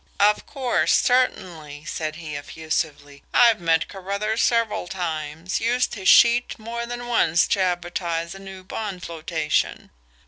"Of course, certainly," said he effusively. "I've met Carruthers several times used his sheet more than once to advertise a new bond flotation."